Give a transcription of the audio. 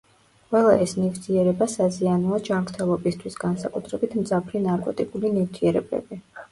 ყველა ეს ნივთიერება საზიანოა ჯანმრთელობისთვის, განსაკუთრებით მძაფრი ნარკოტიკული ნივთიერებები.